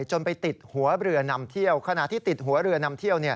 จนไปติดหัวเรือนำเที่ยวขณะที่ติดหัวเรือนำเที่ยว